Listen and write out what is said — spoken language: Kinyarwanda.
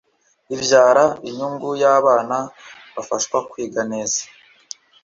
ibyara inyungu y abana bafashwakwiga neza